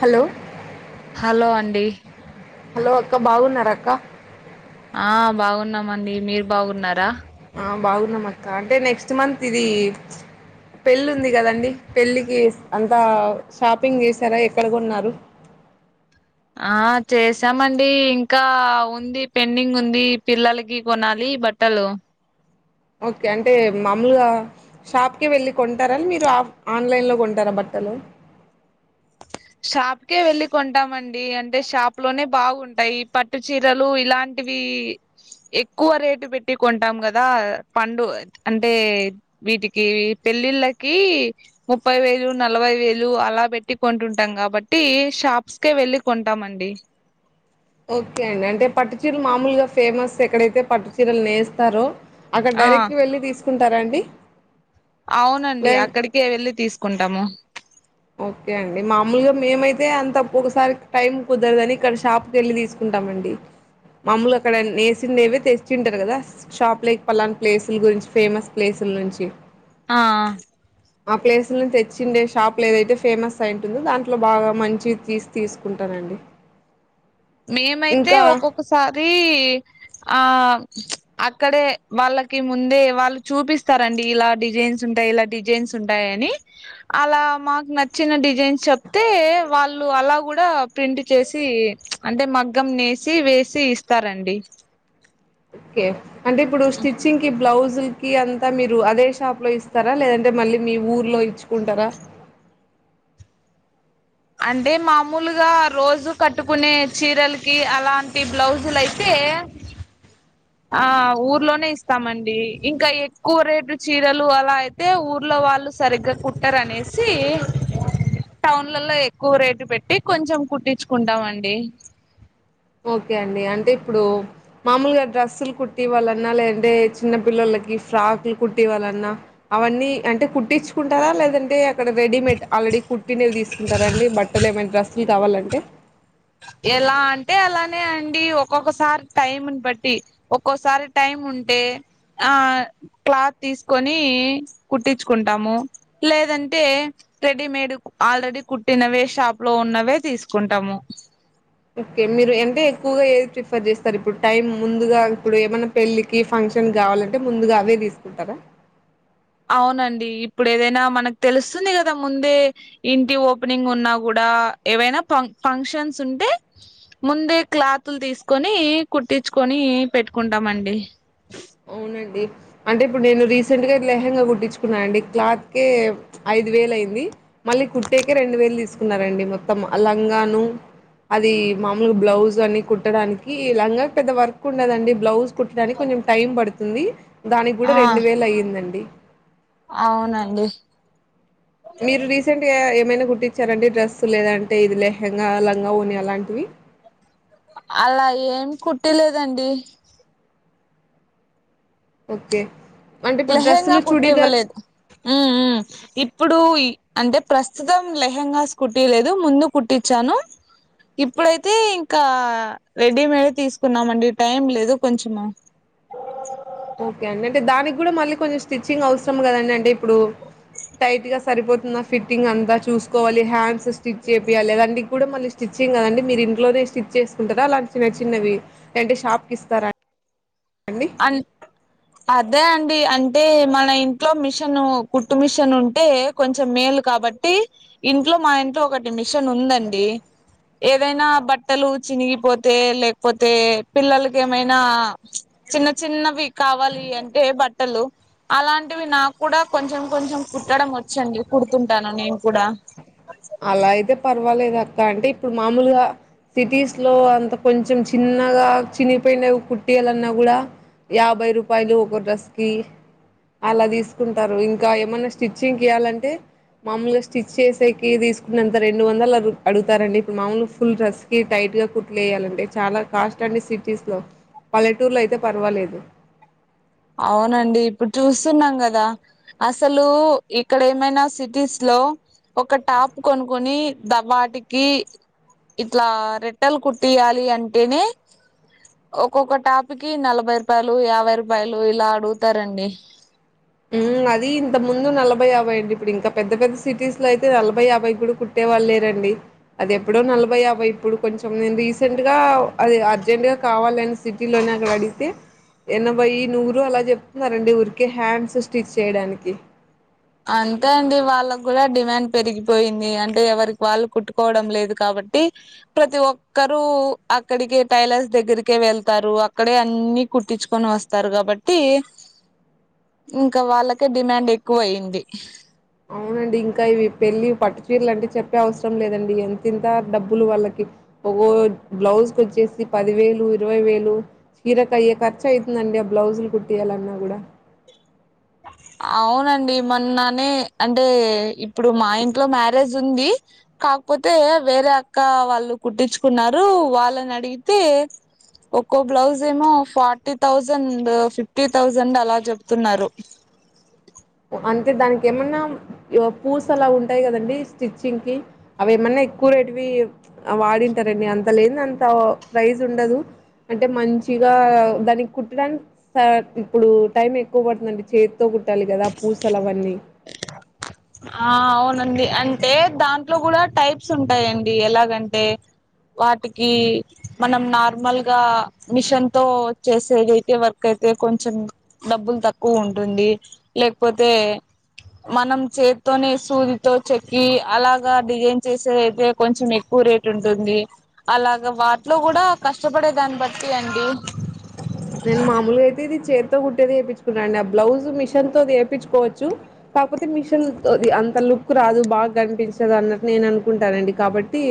Hello hello అండి hello అక్క బాగున్నార అక్క ఆ బాగున్నామండి మీరు బాగున్నారా ఆ బాగున్నమక్క అంటే నెక్స్ట్ మంత్ ఇది పెళ్ళి ఉంది కదండి పెళ్ళికి అంతా షాపింగ్ చేశారా ఎక్కడ కొన్నారు ఆ చేసామండి ఇంకా ఉంది పెండింగ్ ఉంది పిల్లలకి కొనాలి బట్ ట్టలు ఓకే అంటే మాములుగా షాప్కి వెళ్ళి కొంటారా మీరు ఆఫ్ ఆన్లైన్లో కొంటారా బట్టలు షాప్కే వెళ్ళి కొంటామండి అంటే షాప్ లోనే బాగుంటాయి పట్టు చీరలు ఇలాం టీవి ఎక్కువ రేటు పెట్టి కొంటాం కదా పండు అంటే వీటికి పెళ్ళిళ్ళకి ముప్పై వేలు నలభై వేలు అలా పెట్టి కొంటుం టాం కాబట్టి షాప్స్కే వెళ్ళి కొంటామండి ఓకే అండి అంటే పట్టు చీరలు మామూలుగా ఫేమస్ ఎక్కడైతే పట్టు చీరలు నేస్తారో అక్కడ ఆ డైరెక్ట్ గా వెళ్ళి తీసుకుంటార అండి అవునండి లేన్ అక్కడికే వెళ్ళి తీసుకుంటాము ఓకే అండి మామూలుగా మేమయితే అంతొ ఒకసారి టైం కుదరదని ఇక్కడ షాప్కి వెళ్ళి తీస్ కుంటామండి మామూలుగ అక్కడ నేసిందేమీ తెచ్చింటరు కదా షాప్ లేక్ పలన ప్లేసుల గురించి ఫేమస్ ప్లేసుల నుంచి ఆ ఆ ఆ ప్లేసు నుంచి తెచ్చిందే షాప్ ప్లో ఏదైతే ఫేమస్ అయింటుందో దాంట్లో బాగా మంచిగ తీసి తీసుకుంటారండి మేమైతే ఒక్కొక్కసారీ ఆ అక్కడే వాళ్ళకి ముందే వాళ్ళు చూపిస్తారండి ఇలా డిజైన్స్ ఉంటాయి ఇలా డిజైన్స్ ఉంటాయని అలా మాకు నచ్చిన డిజైన్స్ చెప్తే వాళ్ళు అలా కూడా ప్రింట్ చేసి అంటే మగ్గం నేసి వేసి ఇస్తారండి కే అంటే ఇప్పుడు స్టిచ్చింగ్ కీ బ్లౌజుల్ కి అంతా మీరు అదే షాప్ లో ఇస్తారా లేదంటే మళ్ళీ మీ ఊర్లో ఇచ్చుకుంటారా అంటే మామూలుగా రోజు కట్టుకునే చీరలకి అలాంటి బ్లౌజులు అయితే ఆ ఊర్లోనే ఇస్తామండి ఇంకా ఎక్కువ రేటు చీరలు అలా అయ్ తే ఊర్లో వాళ్ళు సరిగ్గా కుట్టరనేసి టౌన్లల ఎక్కువ రేటు పెట్టి కొంచెం కుట్టించుకుంటామండి ఓకే అండి అంటే ఇప్పుడు మామూలుగా డ్రస్సులు కుటివాళ్ళన్నా లేదంటే చిన్న పిల్లలకి ఫ్రాకులు కుటివాళ్ళన్నా అవన్నీ అంటే కుట్టించుకుంటారా లేదంటే ఇక్కడ రెడీమేడ్ ఆల్రెడీ కుట్టినవి తీసుకుంటార అండి బట్టలు ఏమనా డ్రస్లు కావాలంటే ఎలా అంటే అలానే అండి ఒక్కొక్కసారి టైం ని బట్టి ఒక్కోసారి టైమ్ ఉంటే ఆ క్లాత్ తీసుకొని కుట్టించుకుంటాము లేదంటే రెడీమేడ్ ఆల్రెడీ కుట్టినవే షాప్ లో ఉన్నవే తీసుకుంటాము. ఓకే మీరు అంటే ఎక్కువగా ఏది ప్రిఫర్ చేస్తారు ఇప్పుడు టైం ముందుగా ఇప్పుడు ఏమన్నా పెళ్ళికి ఫంక్షన్ కావాలంటే ముందుగా అవే తీసుకుంటారా అవునండి ఇప్పుడు ఏదైనా మనకు తెలుస్తుంది కదా ముందే ఇంటి ఓపెనింగ్ ఉన్నా కూడా ఏవైన ఫంక్షన్స్ ఉంటే ముందే క్లాతులు తీసుకొని కుట్టించుకొని పెట్టుకుంటామండి. అవునండి అంటే ఇప్పుడు నేను రీసెంట్ గా లెహెంగా కుట్టించుకున్నా అండి క్లాత్ కే ఐదు వేలు అయింది మళ్ళీ కుట్టేకే రెండు వేలు తీసుకున్నారండి మొత్తం అ లంగాను అది మామూలుగా బ్లౌజ్ అని కుట్టడానికి లంగా పెద్ద వర్క్ ఉండదండి బ్లౌజ్ కుట్టడానికి కొంచెం టైం పడుతుంది. దానికి కూడా ఆ రెండు వేలు అయ్యిందండి. అవునండి మీరు రీసెంట్ గా ఏమైనా కుట్టించార అండి డ్రెస్ లేదంటే ఇది లెహెంగా లంగా ఓని అలాంటివి. అలా ఏం కుటిలేదండి ఓకే అంటే ఇప్పుడు లెహెంగా డ్రెస్సులు కుట్టి చూడిదర్ ఇవ్వలేదు ఉమ్ ఉమ్ ఇప్పుడు అంటే ప్రస్తుతం లెహెంగాస్ కుటీ లేదు ముందు కుట్టించాను ఇప్పుడైతే ఇంకా రెడీమేడ్ తీసుకున్నామండి టైం లేదు కొంచము ఓకే అండి అంటే దానికి కూడా మళ్ళీ కొంచెం స్టిచ్చింగ్ అవసరం కదండి అంటే ఇప్పుడు టైట్ గా సరిపోతుందా ఫిట్టింగ్ అంతా చూసుకోవాలి హ్యాండ్స్ స్టిచ్ చేపియాలి లేదా నీకు కూడా మళ్ళీ స్టిచ్చింగ్ కదండి మీరు ఇంట్లోనే స్టిచ్ చేసుకుంటారా అలాంటి చిన్న చిన్నవి లేదంటే షాప్కి ఇస్తారా అండి అన్ అదే అండి అంటే మన ఇంట్లో మిషన్ కుట్టు మిషన్ ఉంటే కొంచెం మేలు కాబట్టి ఇంట్లో మా ఇంట్లో ఒకటి మిషన్ ఉందండి ఏదైనా బట్టలు చినిగిపోతే లేకపోతే పిల్లలకి ఏమైనా ప్చ్ చిన్న చిన్నవి కావాలి అంటే బట్టలు అలాంటివి నాకు కూడా కొంచెం కొంచెం కుుట్టడం వచ్చండి కుడుతుంటాను నేను కూడా అలా అయితే పర్వాలేదు అక్క అంటే ఇప్పుడు మామూలుగా సిటీస్ లో అంత కొంచెం చిన్నగా చినిపోయినవి కుట్టియాలన్నా కూడా యాభై రూపాయలు ఒక డ్రెస్కి అలా తీసుకుంటారు ఇంకా ఏమన్నా స్టిచ్చింగ్ కి ఇయాలంటే మాములుగా స్టిచ్ చేసేకి కి తీసుకున్నంత రెండు వందలు అడు అడుగుతారండి ఇప్పుడు మామూలుగా ఫుల్ డ్రెస్ కి టైట్ గా కుట్లు ఏయాలంటే చాలా కాస్ట్ అండి సిటీస్ లో పల్లెటూరులో అయితే పర్వాలేదు అవునండి ఇప్పుడు చూస్తున్నాం కదా అసలు ఇక్కడ ఏమైనా సిటీస్ లో ఒక టాప్ కొనుక్కొని ద వాటికి ఇట్లా రెట్టెలు కుట్టియాలి అంటేనే. ఒక్కొక్క టాప్కి నలభై రూపాయలు యాభై రూపాయలు ఇలా అడుగుతారండి. ఉమ్ అది ఇంత ముందు నలభై యాభై అండి, ఇప్పుడు ఇంకా పెద్ద పెద్ద సిటీస్ లో అయితే నలభై యాభై కూడా కు ట్టే వాళ్ళు లేరండి. అది ఎప్పుడో నలభై యాభై ఇప్పుడు కొంచెం నేను రీసెంట్ గా అది అర్జెంట్ గా కావాలన్. సిటీలోన అవి అడిగితే ఎనభై నూరు అలా చెప్తున్నారండి ఊరికే హ్యాండ్స్. స్టిచ్ చేయడానికి. అంతే అండి వాళ్ళకి కూడా డిమాండ్ పెరిగిపోయింది అంటే ఎవరికి వాళ్ళు కుట్టుకోవడం లేదు కాబట్టి. ప్రతి ఒక్కరు అక్కడికి టైలర్స్ దగ్గరకే వెళ్తారు అక్కడే అన్ని కుట్టించుకొని వస్. వస్తారు కాబట్టి. అ ఇంకా వాళ్ళకే డిమాండ్ ఎక్కువ అయింది. అవునండి ఇంకా ఇవి పెళ్ళి పట్టు చీరలు అంటవి చెప్పే అవసరం లేదండి ఎంత ఇంత డబ్బులు వాళ్ళకి. ఒగో బ్లౌజ్ కచ్చేసి పది వేలు ఇరవై వేలు. చీరక అయ్యే ఖర్చు అవుతుందండి ఆ బ్లౌజులు కుట్టీయాలన్నా కూడా. అవునండి మొన్ననే అంటే ఇప్పుడు మా ఇంట్లో మ్యారేజ్ ఉంది. కాకపోతే వేరే అక్క వాళ్ళు కుట్టించుకున్నారు వాళ్ళని అడిగితే. ఒక్కో బ్లౌజ్ ఏమో ఫార్టీ థౌజండ్, ఫిఫ్టీ థౌజండ్ అలా చెప్తున్నారు. అంతే దానికి ఏమన్నా పూస్ అలా ఉంటాయి కదండి స్టిచ్చింగ్ కి. అవి ఏమన్నా ఎక్కువ రేటువి వాడింటారండి అంత లేని అంత ప్రైజ్ ఉండదు. అంటే మంచిగా దానికి కుట్టడానికి. ఇప్పుడు టైం ఎక్కువ పడుతుందండి చేతితో కుట్టాలి కదా పూసలు అవన్నీ. ఆ అవునండి అంటే దాంట్లో కూడా టైప్స్ ఉంటాయండి ఎలాగంటే. వాటికి. మనం నార్మల్ గా మిషన్ తో చేసేదైతే వర్క్ అయితే కొంచం. డబ్బులు తక్కువ ఉంటుంది లేకపోతే మనం. చేత్తోనే సూదితో చెక్కి అలాగా డిజైన్ చేసేదైతే కొంచెం ఎక్కువ రేట్ ఉంటుంది. అలాగ వాటిలో కూడా కష్టపడే దాన్ని బట్టి అండి. నేను మామూలుగా అయితే ఇది చేత్తో కుట్టేది వేయించుకున్నా అండి ఆ బ్లౌజ్ మిషన్ తో అది వేయించుకోవచ్చు. కాకపోతే మిషన్తోది అంతలుక్. కు రాదు బాగా కనిపించదు అన్నట్టు నేను అనుకుంటానండి కాబట్టి.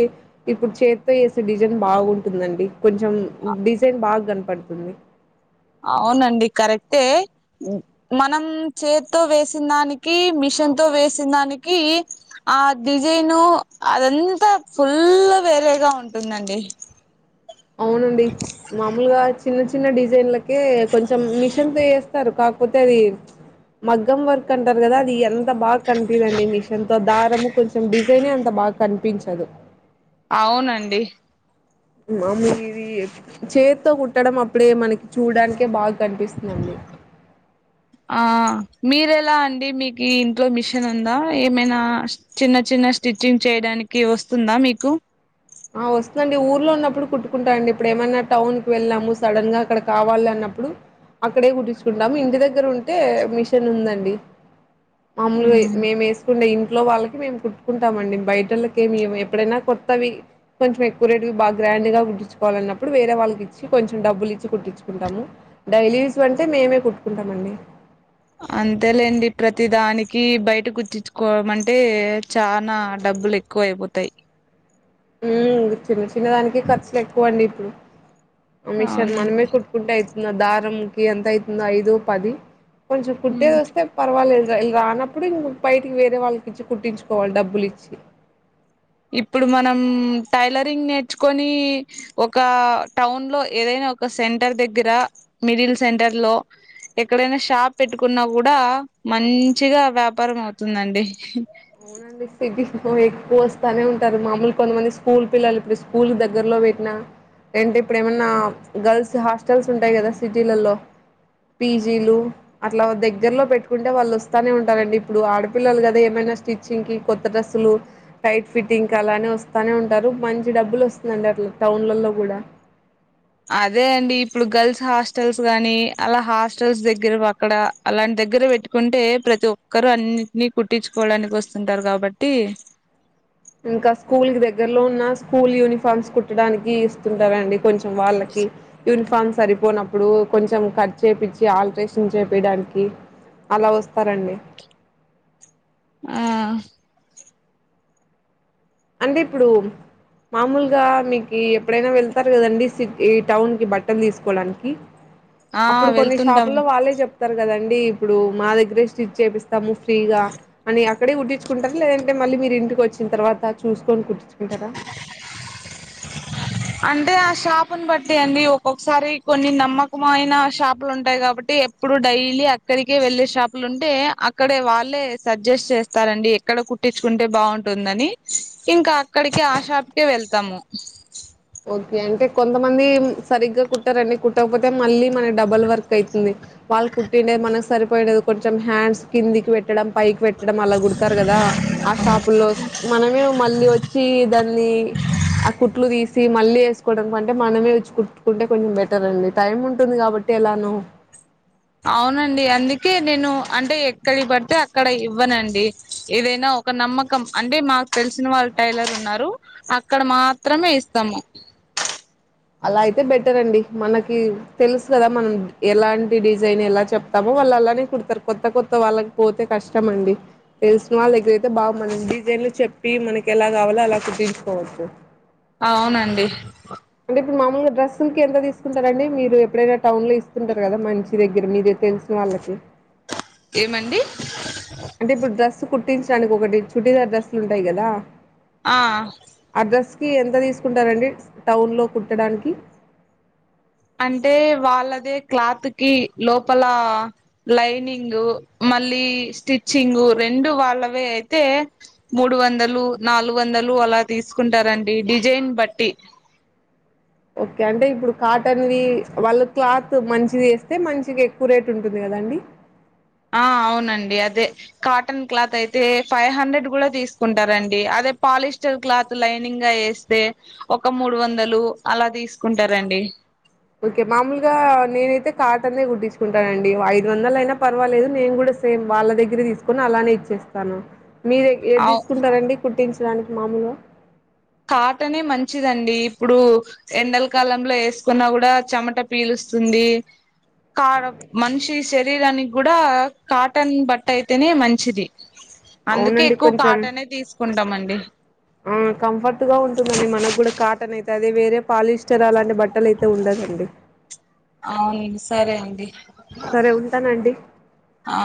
ఇప్పుడు చేతితో వేసే డిజైన్ బాగుంటుందండి కొంచెం డిజైన్ బాగా కనపడుతుంది. అవునండి కరెక్టే. మనం చేతితో వేసిన దానికి మిషన్ తో వేసిన దానికి. ఆ డిజైను అదంతా ఫుల్ వేరేగా ఉంటుందండి. అవునండి. మామూలుగా చిన్న చిన్న డిజైన్లకే కొంచెం మిషన్ తో వేస్తారు కాకపోతే అది. మగ్గం వర్క్ అంటారు కదా అది ఎన్. అంత బాగా కనిపిందండి మిషన్ తో దారము కొంచం డిజైన్ అంత బాగా కనిపించదు. అవునండి. మామూ ఇది చేతితో కుట్టడం అప్పుడే మనకి చూడడానికే బాగా కనిపిస్తుందండి. అ ఆ మీరెలా అండి మీకు ఇంట్లో మిషన్ ఉందా ఏమైనా. చిన్న చిన్న స్టిచ్చింగ్ చేయడానికి వస్తుందా మీకు. ఆ వస్తుందండి ఊర్లో ఉన్నప్పుడు కుట్టుకుంటాండి ఇప్పుడు ఏమైనా టౌన్ కి వెళ్ళాము సడన్ గా అక్కడ కావాలి అన్నప్పుడు. అక్కడే కుట్టిచ్చుకుంటాము ఇంటి దగ్గర ఉంటే మిషన్ ఉందండి మామూలుగా మేము వే ట్టుకునే ఇంట్లో వాళ్ళకి మేము కుట్టుకుంటామండి బయట వాళ్ళకి ఏమీ ఎప్పుడైనా కొత్తవి కొంచెం ఎక్కువ రేట్ కి బాగాగ్రాండ్గా కుట్టించుకోవాలికున్నప్పుడు వేరే వాళ్ళకిచ్చి కొంచెం డబ్బులు ఇచ్చి కుట్టించుకుంటాము డైలీ యూస్ అంటే మేమే కుట్టుకుంటాము అండి అంతేలేండి ప్రతి దానికి బయట కుట్టించుకోవడం అంటే చానా డబ్బులు ఎక్కు క్కువైపోతాయి చిన్న చిన్న దానికి ఖర్చులు ఎక్కువ అండి ఇప్పుడు మీషన్ మనమే అవునండి కు కకుంటే అవుతుంది దారంకి ఎంత అవుతుందో ఐదు పది కొంచెం కుట్టేది వస్తే పర్వాలేదు రానప్పుడు ఇం బయటికి వేరే వాళ్ళకి ఇచ్చి కుట్టించుకోవాలి డబ్బులు ఇచ్చి ఇప్పుడు మనం టైలరింగ్ నేర్చుకొని ఒక టౌన్లో ఏదైనా ఒక సెంటర్ దగ్గర మిడిల్ సెంటర్లో ఎక్కడైనా షాప్ పెట్టుకున్నా కూడా మంచిగా వ్యాపారం అవుతుందండి సిటీ ఎక్కువ వస్తానే ఉంటాది మామలు కొంతమంది స్కూల్ పిల్లలు ఇడు స్కూల్ దగ్గరలో పెట్టినా ఏంటే ఇప్పుడు ఏమన్నా గర్ల్స్ హాస్టల్స్ ఉంటాయి కదా సిటీలలో పిజీలు అట్లా దగ్గరలో పెట్టుకుంటే వాళ్ళు వస్తూనే ఉంటారండి ఇప్పుడు ఆడపిల్లలు కదా ఏమైనా స్టిచ్చింగ్కి కొత్త డ్రెస్సులు టైట్ ఫిట్టింగ్కీ అలానే వస్తానే ఉంటారు మంచి డబ్బులు వస్తుందండి అట్లానే టౌన్లలో కూడా అదే అండి ఇప్పుడు గర్ల్స్ హాస్టల్స్ గానీ అలా హాస్టల్స్ దగ్గర అక్కడ అలాంటి దగ్గర పెట్టుకుంటే ప్రతి ఒక్కరు అన్నింటిని కుట్టించుకోవడానికి వస్తుంటారు కాబట్టి ఇంకా స్కూల్కి దగ్గరలో ఉన్న స్కూల్ యూనిఫార్మ్స్ కుట్టడానికి ఇస్తుంటారండి కొంచెం వాళ్ళకి యుని ఫామ్ సరిపోనప్పుడు కొంచం కట్ చేపించి ఆల్ట్రేషన్ చేపియడానికి అలా వస్తారండి ఆ అంటే ఇప్పుడు మామూలుగా మీకు ఎప్పుడైనా వెళ్తారు కదండి సిటీ టౌన్కి బట్టలు తీసుకోవడానికి ఆ అప్పుడు కొన్ని వెళ్తుంటాము షాపుల్లో వాళ్ళే చెప్పు తారు కదండి ఇప్పుడు మా దగ్గరే స్టిచ్ చేపిస్తాము ఫ్రీగా అని ఇక్కడే కుట్టించుంటారా లేదంటే మళ్ళీ మీరుంటికి వచ్చిన తర్వాత చూసుకుని కుట్టించుకుంటారా అంటే ఆ షాపును బట్టి అండి ఒక్కొక్కసారి కొన్ని నమ్మకమయిన షాపులు ఉంటాయి కాబట్టి ఇప్పుడు డైలీ అక్కడికే వెళ్ళే షాపులు ఉంటే అక్కడే వాళ్ళే సజెస్ట్ చేస్తారండి ఎక్కడ కు పట్టించుకుంటే బాగుంటుందని ఇంకా అక్కడికి ఆ షాప్కే వెళ్తాము ఓకే అంటే కొంతమంది సరిగ్గా కుట్టరండి కుట్టకపోతే మళ్ళీ మనకి డబల్ వర్క్ అయితుంది వాళ్ళ కుట్టిండేది మనకి సరిపోయి కొంచం హ్యాండ్స్ కిందికి పెట్ పెట్టడం పైకి పెట్టడం అలా కుడతారు కదా ఆ షాపులో మనమే మళ్ళీ వచ్చి దాన్ని మళ్ళీ ఆ కుట్లు తీసు మళ్ళీ వేసుకోవడానికి అంటే మనమే ఉచ్చు కుట్టుకుంటే కొంచెం బెటర్ అండి టైం ఉంటుంది కాబట్టి ఎలాను అవునండి అందుకే నేను అంటే ఎక్కడికి పడితే అక్కడ ఇవ్వనండి ఏదైనా ఒక నమ్మకం అంటే మాకు తెలిసిన వాళ్ళ టైలర్ ఉన్నారు అక్కడ మాత్రమే ఇస్తాము అలా అయితే బెటర్ అండి మనకి తెలుసు కదా మనం ఎలాంటి డిజైన్ ఎలా చెప్ స్తాము వాళ్ళు అలానే కుడతారు కొత్త కొత్త వాళ్ళకి పోతే కష్టం అండి తెలిసిన వాళ్ళ దగ్గర అయితే బాగుంది డిజైన్లు చెప్పి మనకి ఎలా కావాలో అలా కుట్టించుకోవచ్చు అవునండి అంటే ఇప్పుడు మామూలుగా డ్రస్ంగ్కి ఎంత తీకుంటారండి మీరు ఎప్పుడైనా టౌన్ లో ఇస్తుంటారు కదా మంచి దగ్గర మీకు తెలిసి న వాళ్ళకి ఏమండి అంటే ఇప్పుడు డ్రెస్ కుట్టించడానికి ఒకటి చుడీదార్ డ్రస్సులు ఉంటాయి కదా ఆ ఆ డ్రెస్ కి ఎంత తీసుకుంటారండి టౌన్లో కుట్టడానికి అంటే వాళ్ళదే క్లాత్ కి లోపల లైనింగ్ మళ్ళీ స్టిచ్చింగ్ రెండు వాళ్ళవే అయితే మూడు వందలు నాలుగు వందలు అలా తీసుకుంటారండి డిజైన్ బట్టి ఓకే అంటే ఇప్పుడు కాటన్వి వాళ్ళు క్లాత్ మంచిది వేస్తే మంచిగా ఎక్కువ రేట్ ఉంటుంది కదండి ఆ అవునండి అదే కాటన్ క్లాత్ అయితే ఫైవ్ హండ్రెడ్ కూడా తీసుకుంటారండి అదే పాలిస్టర్ క్లాత్ లైనింగ్ గా వేస్తే ఒక మూడు వందలు అలా తీసుకుంటారండి ఓకే మామూలుగా నేనైతే కాటన్దే కుట్టించుకుంటానండి ఐదు వందలు అయినా పర్వాలేదు నేను కూడా సేమ్ వాళ్ళ దగ్గరే తీసుకొని అలానే ఇచ్చేస్తాను మీరు ఏది అవు తీసుకుంటారండి కుట్టించడానికి మామూలుగ కాటనే మంచిదండి ఇప్పుడు ఎండలకాలంలో వేసుకున్నా కూడా చెమట పీలుస్తుంది కా మనిషి శరీరానికి కూడా కాటన్ బట్ట అయితేనే మంచిది అందుకే అవునండి ఎక్కువ కొంచెం కాటనే తీసుకుంటాం అండి ఆ కంఫర్ట్ గా ఉంటుందండి మనకు కూడా కాటన్ అయితే అది వేరే పాలిస్టర్ అలాంటి బట్ ట్టలు అయితే ఉండదండి అవునండి సరే అండి సరే ఉంటానండి ఆ